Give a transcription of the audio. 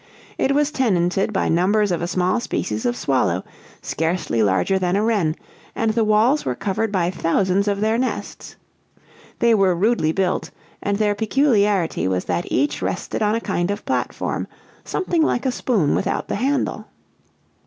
It was tenanted by numbers of a small species of swallow, scarcely larger than a wren, and the walls were covered by thousands of their nests. They were rudely built, and their peculiarity was that each rested on a kind of platform, something like a spoon without the handle.